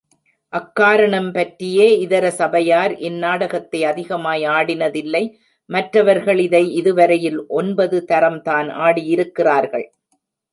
அக்காரணம் பற்றியே இதர சபையார் இந்நாடகத்தை அதிமாய் ஆடினதில்லை மற்றவர்கள் இதை இதுவரையில் ஒன்பது தரம்தான் ஆடியிருக்கிறார்கள்.